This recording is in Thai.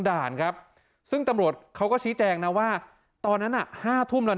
ด่านครับซึ่งตำรวจเขาก็ชี้แจงนะว่าตอนนั้นอ่ะห้าทุ่มแล้ว